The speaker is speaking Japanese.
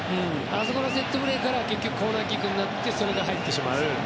あそこのセットプレーからコーナーキックになってそれが入ってしまう。